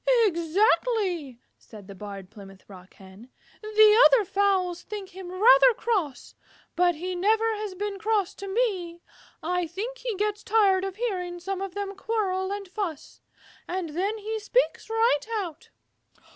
"Exactly," said the Barred Plymouth Rock Hen. "The other fowls think him rather cross, but he never has been cross to me. I think he gets tired of hearing some of them quarrel and fuss, and then he speaks right out."